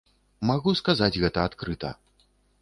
Магу сказаць гэта адкрыта.